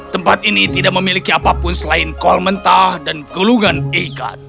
tempat ini tidak memiliki apapun selain kol mentah dan gulungan ikan